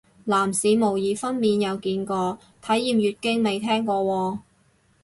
男士模擬分娩有見過，體驗月經未聽過喎